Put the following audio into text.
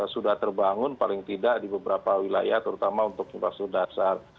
sudah terbangun paling tidak di beberapa wilayah terutama untuk infrastruktur dasar